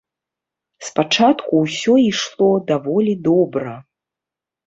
Спачатку ўсё ішло даволі добра.